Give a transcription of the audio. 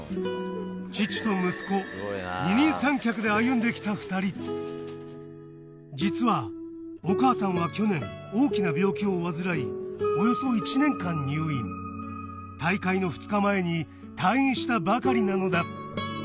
父と息子二人三脚で歩んできた２人実はお母さんは去年大きな病気を患いおよそ１年間入院大会の２日前に退院したばかりなのだ